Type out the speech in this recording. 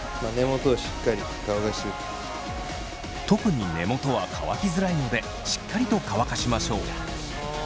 特に根元は乾きづらいのでしっかりと乾かしましょう。